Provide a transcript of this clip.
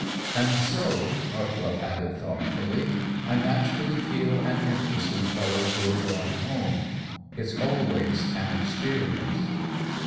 "And so," Hartwell added thoughtfully, "I naturally feel an interest in fellows who are going home. It's always an experience."